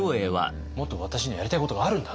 「もっと私にはやりたいことがあるんだ」と。